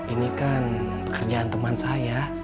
ini kan kerjaan teman saya